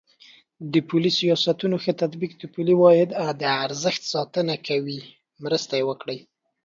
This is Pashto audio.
د پولي سیاستونو ښه تطبیق د پولي واحد ارزښت ساتنه کې مرسته کړې ده.